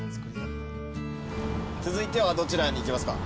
続いてはどちらに行きますか？